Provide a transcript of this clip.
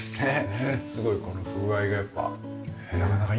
すごいこの風合いがやっぱなかなか今じゃ出せない。